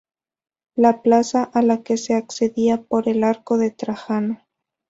La plaza, a la que se accedía por el arco de Trajano.